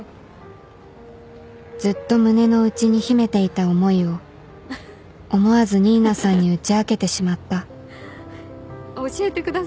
ずっと胸の内に秘めていた思いを思わず新名さんに打ち明けてしまった教えてください。